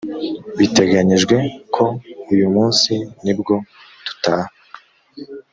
biteganyijwe ko uyu munsi nibwo dutaha